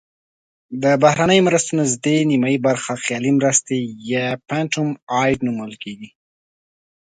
د بهرنیو مرستو نزدې نیمایي برخه خیالي مرستې یا phantom aid نومول کیږي.